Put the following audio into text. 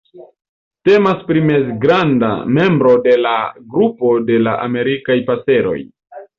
Temas pri mezgranda membro de la grupo de la Amerikaj paseroj.